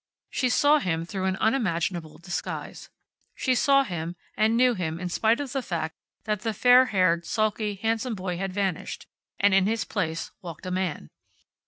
She saw him through an unimaginable disguise. She saw him, and knew him in spite of the fact that the fair haired, sulky, handsome boy had vanished, and in his place walked a man.